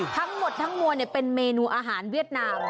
ทั้งหมดทั้งมวลเป็นเมนูอาหารเวียดนาม